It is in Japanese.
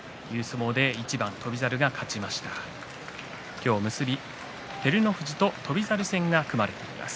今日、結び照ノ富士と翔猿戦が組まれています。